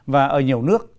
và ở nhiều nước